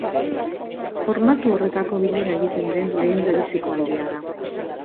Formatu horretako bilera egiten den lehendabiziko aldia da.